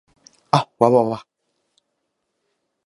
あっわわわ